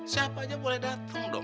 siapa aja boleh datang dong